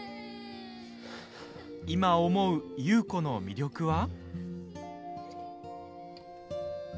今、思う優子の魅力は。